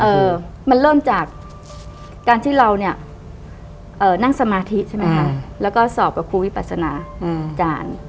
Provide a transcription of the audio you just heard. เอ่อมันเริ่มจากการที่เราเนี่ยเอ่อนั่งสมาธิใช่ไหมคะแล้วก็สอบกับครูวิปัสนาอืมอาจารย์